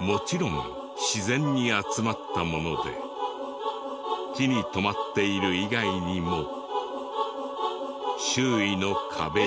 もちろん自然に集まったもので木に止まっている以外にも周囲の壁や。